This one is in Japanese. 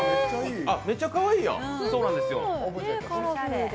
めっちゃかわいいやん。